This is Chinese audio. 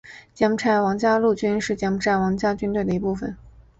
柬埔寨王家陆军是柬埔寨王家军队的一部分。